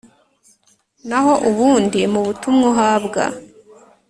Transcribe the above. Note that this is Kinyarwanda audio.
naho ubundi mu butumwa uhabwa